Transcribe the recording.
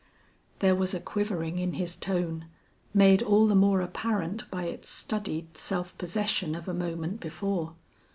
There was a quivering in his tone, made all the more apparent by its studied self possession of a moment before.